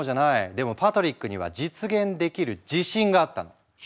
でもパトリックには実現できる自信があったの。